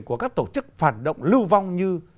của các tổ chức phản động lưu vong như